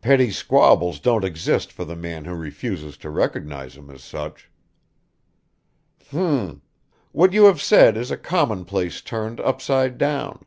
"Petty squabbles don't exist for the man who refuses to recognize them as such." "Hm ... what you have said is a commonplace turned upside down."